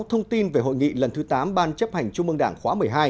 thông tin về hội nghị lần thứ tám ban chấp hành trung mương đảng khóa một mươi hai